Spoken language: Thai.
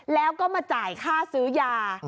แล้วก็มาจ่ายค่าซื้อยา